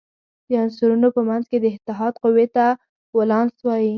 د عنصرونو په منځ کې د اتحاد قوې ته ولانس وايي.